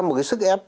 một cái sức ép